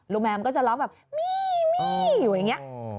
ลูกแมวมันก็จะร้องแบบมี่อยู่อย่างนี้